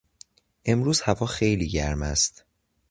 امروز هوا خیلی گرم است.